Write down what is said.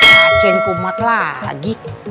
hah pacen kumat lagi